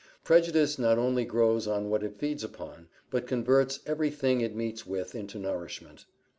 Prejudice not only grows on what it feeds upon, but converts every thing it meets with into nourishment.